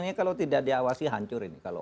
ini kalau tidak diawasi hancur ini